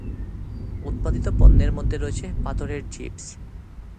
উৎপাদিত পণ্যের মধ্যে রয়েছে পাথরের চিপস।